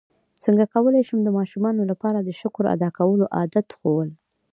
څنګه کولی شم د ماشومانو لپاره د شکر ادا کولو عادت ښوول